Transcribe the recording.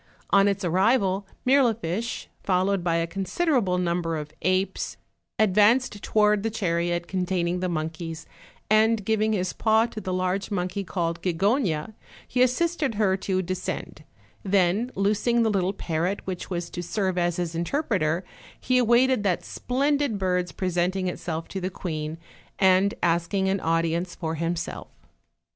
On its arrival, Mirli ficbe, followed by a considerable number of apes, ad vanced toward the chariot containing the monkeys, and giving his paw to the large monkey call Gigogna, he as sisted her to descend; then loosing the little parrot which was to serve as his interpreter, he awaited that splendid bird's presenting itself to the queen, and asking an audi ence for himself.